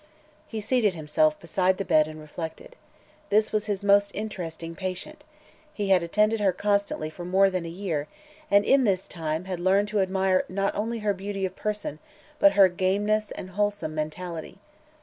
He seated himself beside the bed and reflected. This was his most interesting patient; he had attended her constantly for more than a year and in this time had learned to admire not only her beauty of person but her "gameness" and wholesome mentality.